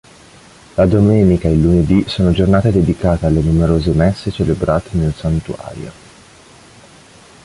La domenica e il lunedì sono giornate dedicate alle numerose messe celebrate nel Santuario.